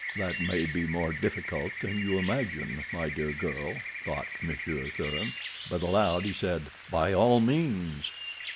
"That may be more difficult than you imagine, my dear girl," thought Monsieur Thuran, but aloud he said: "By all means."